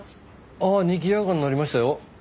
あにぎやかになりましたよ。